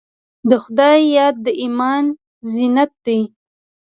د خدای یاد د ایمان زینت دی.